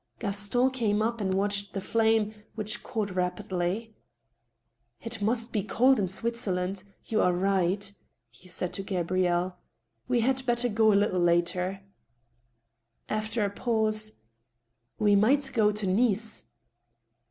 Gaston came up and watched the flame, which caught rapidly. " It must be cold in Switzeriand. You are right," he said to Gabrielle ;" we had better go a little later." After a pause —" We might go to Nice."